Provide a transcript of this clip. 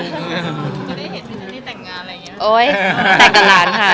เจนดิทุ่นดีเจนนีแต่งงานอะไรอย่างเนี่ย